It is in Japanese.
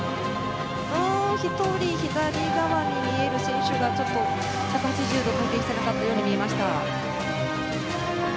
１人、左側に見える選手が１８０度回転していなかったように見えました。